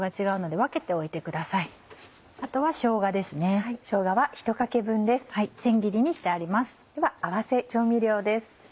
では合わせ調味料です。